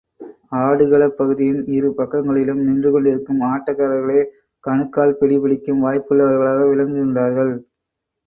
ஆடுகளப் பகுதியின் இரு பக்கங்களிலும் நின்று கொண்டிருக்கும் ஆட்டக்காரர்களே கணுக்கால் பிடி பிடிக்கும் வாய்ப்புள்ளவர்களாக விளங்குகின்றார்கள்.